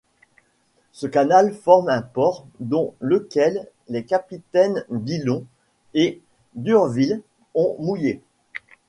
Ce canal forme un port dans lequel les capitaines Dillon et d'Urville ont mouillé.